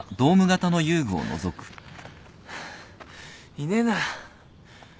いねえな。